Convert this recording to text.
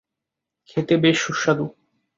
খেতে বেশ সুস্বাদু!